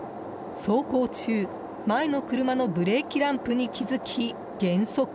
走行中、前の車のブレーキランプに気付き、減速。